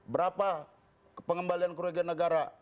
berapa pengembalian koregen negara